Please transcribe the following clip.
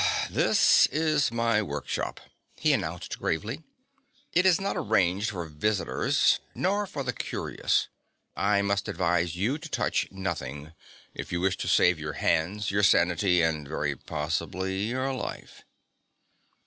"This is my workshop," he announced gravely. "It is not arranged for visitors, nor for the curious. I must advise you to touch nothing, if you wish to save your hands, your sanity, and very possibly your life."